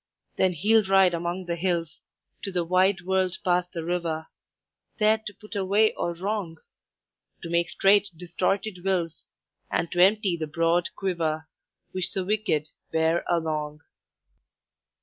"Then he'll ride among the hills To the wide world past the river, There to put away all wrong; To make straight distorted wills, And to empty the broad quiver Which the wicked bear along.